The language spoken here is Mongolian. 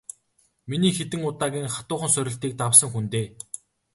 Миний хэдэн удаагийн хатуухан сорилтыг давсан хүн дээ.